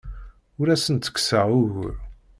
Ur asen-ttekkseɣ ugur.